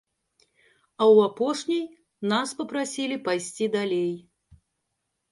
А ў апошняй нас папрасілі пайсці далей.